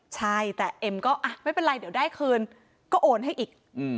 ใช่แต่เอ็มก็ไม่เป็นไรเดี๋ยวได้คืนก็โอนให้อีก